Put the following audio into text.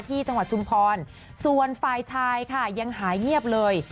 จังหวัดชุมพรส่วนฝ่ายชายค่ะยังหายเงียบเลย